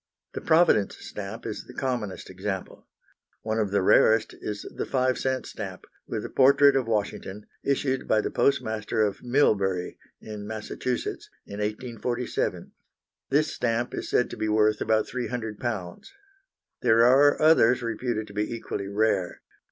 The Providence stamp is the commonest example. One of the rarest is the 5 c. stamp, with a portrait of Washington, issued by the postmaster of Millbury, in Massachusetts, in 1847. This stamp is said to be worth about £300. There are others reputed to be equally rare.